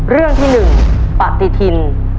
เรื่องที่๑ปฏิทิน